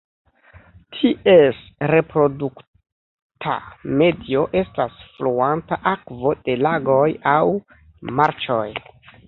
Ties reprodukta medio estas fluanta akvo de lagoj aŭ marĉoj.